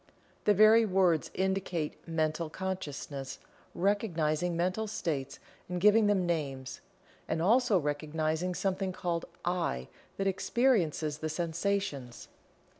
The very words indicate Mental Consciousness recognizing mental states and giving them names, and also recognizing something called "I" that experiences the sensations.